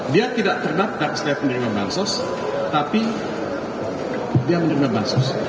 dia tidak terdapat dari setiap pendirian pansos tapi dia menjelang pansos